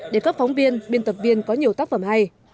để các phóng viên biên tập viên có nhiều tác phẩm hay